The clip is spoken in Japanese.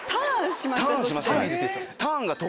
ターンしましたね。